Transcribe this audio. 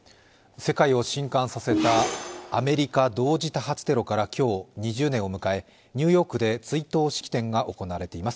世界を震撼させたアメリカ同時多発テロから今日、２０年を迎えニューヨークで追悼式典が行われています。